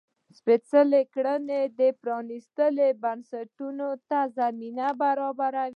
سپېڅلې کړۍ پرانيستو بنسټونو ته دا زمینه برابروي.